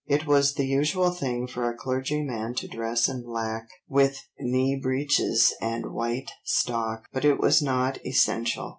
It was the usual thing for a clergyman to dress in black, with knee breeches and white stock, but it was not essential.